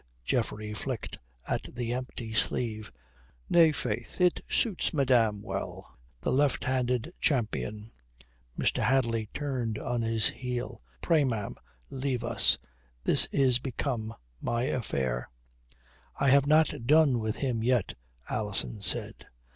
Geoffrey flicked at the empty sleeve. "Nay, faith, it suits madame well, the left handed champion." Mr. Hadley turned on his heel. "Pray, ma'am, leave us. This is become my affair." "I have not done with him yet," Alison said.